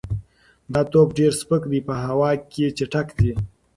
دا توپ ډېر سپک دی او په هوا کې چټک ځي.